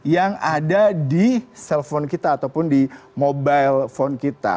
yang ada di cell phone kita ataupun di mobile phone kita